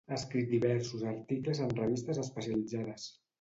Ha escrit diversos articles en revistes especialitzades.